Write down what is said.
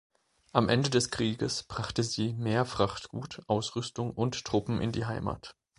Am Ende des Krieges brachte sie mehr Frachtgut, Ausrüstung und Truppen in die Heimat.